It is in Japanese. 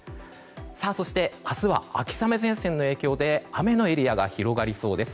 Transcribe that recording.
そして、明日は秋雨前線の影響で雨のエリアが広がりそうです。